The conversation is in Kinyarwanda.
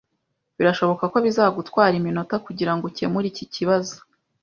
Birashoboka ko bizagutwara iminota kugirango ukemure iki kibazo